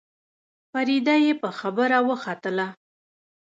فريده يې په خبره وختله.